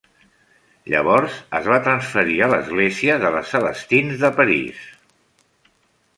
Llavors es va transferir a l'església de les Celestines de París.